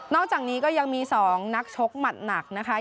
อกจากนี้ก็ยังมี๒นักชกหมัดหนักนะคะ